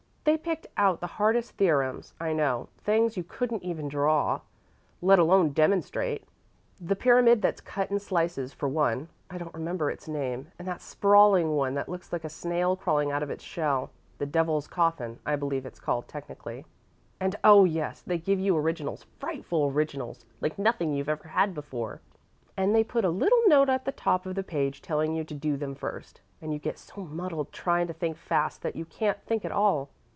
They picked out the hardest theorems, I know things you couldn't even draw, let alone demonstrate: the pyramid that's cut in slices, for one, I don't remember its name, and that sprawling one that looks like a snail crawling out of its shell: the devil's coffin, I believe it's called technically. And oh, yes! they give you originals frightful originals, like nothing you've ever had before; and they put a little note at the top of the page telling you to do them first, and you get so muddled trying to think fast that you can't think at all.